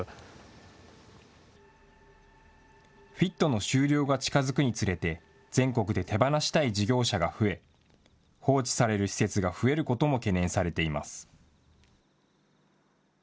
ＦＩＴの終了が近づくにつれて、全国で手放したい事業者が増え、放置される施設が増えることも懸念されています。